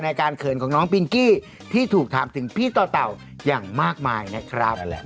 การเขินของน้องปิงกี้ที่ถูกถามถึงพี่ต่อเต่าอย่างมากมายนะครับ